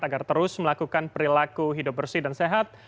agar terus melakukan perilaku hidup bersih dan sehat